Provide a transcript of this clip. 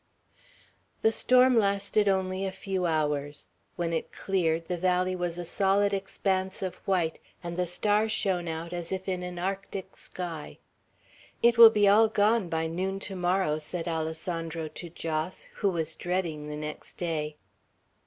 The storm lasted only a few hours. When it cleared, the valley was a solid expanse of white, and the stars shone out as if in an Arctic sky. "It will be all gone by noon to morrow," said Alessandro to Jos, who was dreading the next day.